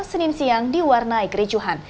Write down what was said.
senin siang diwarnai kericuhan